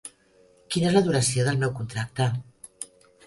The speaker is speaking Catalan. Quina és la duració del meu contracte?